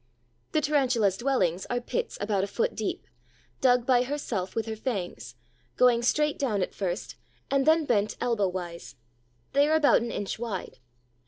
The Tarantula's dwellings are pits about a foot deep, dug by herself with her fangs, going straight down at first and then bent elbow wise. They are about an inch wide.